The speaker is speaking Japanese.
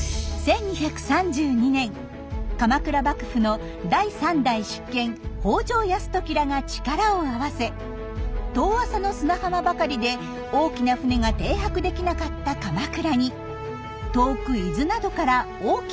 １２３２年鎌倉幕府の第三代執権北条泰時らが力を合わせ遠浅の砂浜ばかりで大きな船が停泊できなかった鎌倉に遠く伊豆などから大きな石を運び港を建造したんです。